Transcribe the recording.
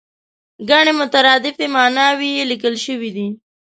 ګڼې مترادفې ماناوې یې لیکل شوې دي.